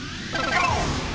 ゴー！